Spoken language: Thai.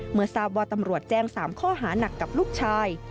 เมื่อทราบว่าตำรวจแจ้ง๓ข้อหานักกับลูกชาย